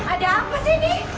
ada apa sih ini